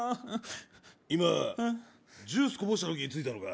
今ジュースこぼした時に付いたのか？